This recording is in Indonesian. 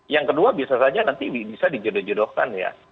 yang kedua bisa saja nanti bisa dijodoh jodohkan ya